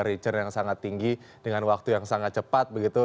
return yang sangat tinggi dengan waktu yang sangat cepat begitu